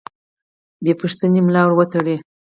بې پوښتنې ملا ورتړي.